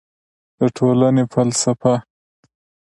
د ټولنې فلسفه